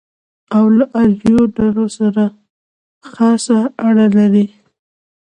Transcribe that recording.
او له آریون ډلو سره خاصه اړه لري.